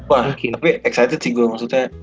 wah tapi excited sih gue maksudnya